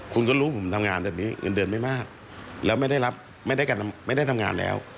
คุณก็รู้ผมทำงานแบบนี้เงินเดือนไม่มากแล้วไม่ได้รับไม่ได้ทำงานแล้ว